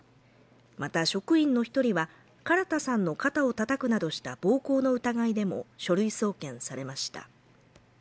また職員の１人は唐田さんの肩を叩くなどした暴行の疑いでも書類送検されました。